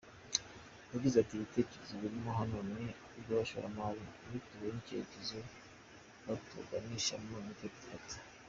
Yagize ati “Ibitekerezo birimo hano ni iby’abashoramari, iyo tubonye icyerekezo batuganishamo nicyo dufata.